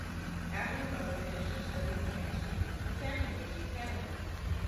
After her mother finished her studies in chemistry, the family moved to Panama.